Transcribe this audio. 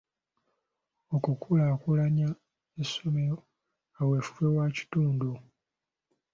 Okukulaakulanya essomero kaweefube wa kitundu.